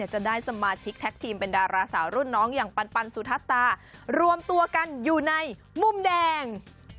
จะได้สมาชิกแท็กทีมเป็นดาราสาวรุ่นน้องอย่างปันสุทัศตารวมตัวกันอยู่ในมุมแดง